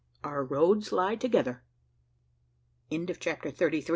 Our roads lie together!" CHAPTER THIRTY FOU